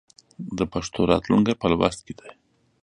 د پښتو راتلونکی په لوست کې دی.